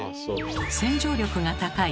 洗浄力が高い